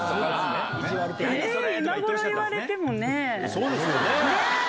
そうですよね！